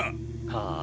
はあ？